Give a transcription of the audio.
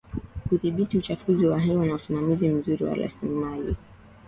Kudhibiti uchafuzi wa hewa na usimamizi mzuri wa rasilimali